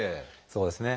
そうですね。